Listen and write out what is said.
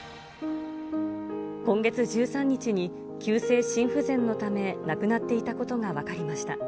今月１３日に急性心不全のため亡くなっていたことが分かりました。